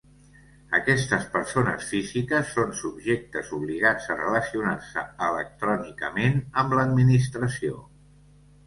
Aquestes persones físiques són subjectes obligats a relacionar-se electrònicament amb l'administració.